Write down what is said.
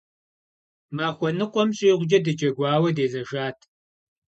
Махуэ ныкъуэм щӏигъукӏэ дыджэгуауэ дезэшат.